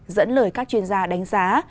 dẫn lời các chuyên gia đánh giá